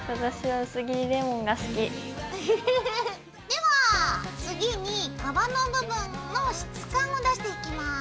では次に皮の部分の質感を出していきます。